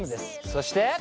そして。